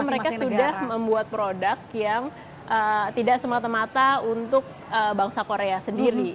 karena mereka sudah membuat produk yang tidak semata mata untuk bangsa korea sendiri